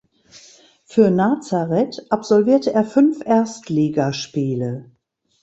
Für Nazareth absolvierte er fünf Erstligaspiele.